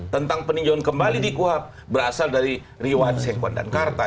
tentang peninjauan kembali di kuhap berasal dari riwayat sekwan dan karta